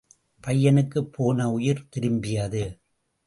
பையனுக்குப் போன உயிர் திரும்பியது.